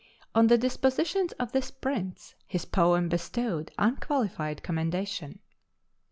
On the dispositions of this prince his poem bestowed unqualified commendation.